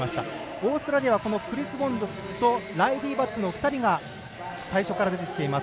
オーストラリアはクリス・ボンドとライリー・バットの２人が最初から出てきています。